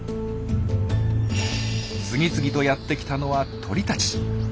次々とやってきたのは鳥たち。